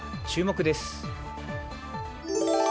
注目です。